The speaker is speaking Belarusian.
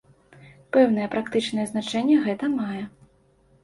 Пэўнае практычнае значэнне гэта мае.